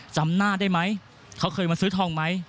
จำหน้าได้ไหมเขาเคยมาซื้อทองไหม